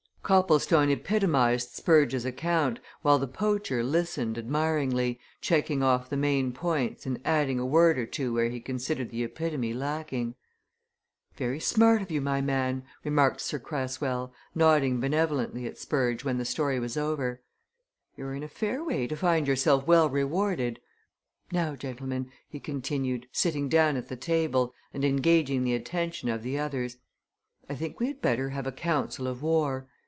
Copplestone epitomized Spurge's account, while the poacher listened admiringly, checking off the main points and adding a word or two where he considered the epitome lacking. "Very smart of you, my man," remarked Sir Cresswell, nodding benevolently at Spurge when the story was over. "You're in a fair way to find yourself well rewarded. Now gentlemen!" he continued, sitting down at the table, and engaging the attention of the others, "I think we had better have a council of war.